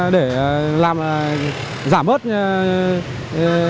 để giảm bớt ủn tắc